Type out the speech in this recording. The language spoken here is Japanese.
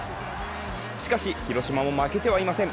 しかし、広島も負けてはいません。